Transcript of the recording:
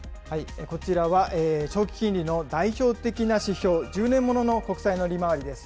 こちらは長期金利の代表的な指標、１０年ものの国債の利回りです。